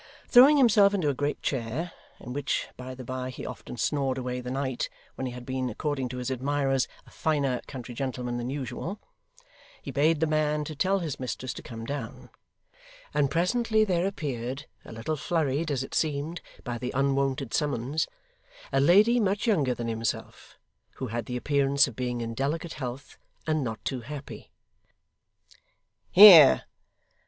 Throwing himself into a great chair (in which, by the bye, he often snored away the night, when he had been, according to his admirers, a finer country gentleman than usual) he bade the man to tell his mistress to come down: and presently there appeared, a little flurried, as it seemed, by the unwonted summons, a lady much younger than himself, who had the appearance of being in delicate health, and not too happy. 'Here!